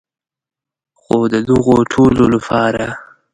خو د دغو ټولو لپاره.